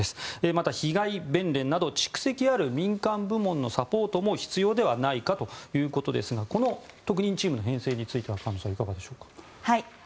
また被害弁連など蓄積ある民間部門のサポートも必要ではないかということですがこの特任チームの編成についてはいかがですか。